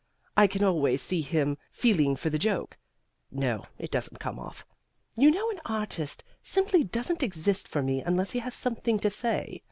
I can always see him feeling for the joke. No, it doesn't come off. You know an artist simply doesn't exist for me unless he has something to say.